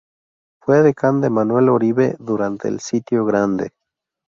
Fue edecán de Manuel Oribe durante el Sitio Grande.